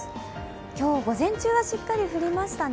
今日午前中はしっかり降りましたね。